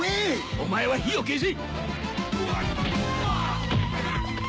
お前は火を消せ！